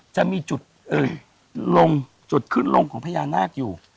จะมีจุดลงจุดขึ้นลงของพญานาคอยู่